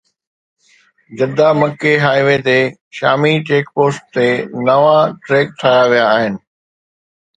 جده-مڪي highway تي شامي check post تي نوان ٽريڪ ٺاهيا ويا آهن